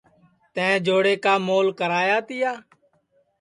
تیں جوڑے کا مول کرایا تیا